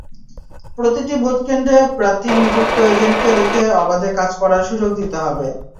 প্রতিটি ভোটকেন্দ্রে প্রার্থীর নিযুক্ত এজেন্টকে রেখে অবাধে কাজ করার সুযোগ দিতে হবে।